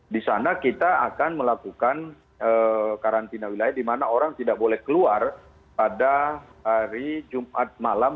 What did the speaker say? di sana kita akan melakukan karantina wilayah di mana orang tidak boleh keluar pada hari jumat malam